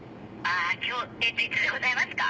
今日えっといつでございますか？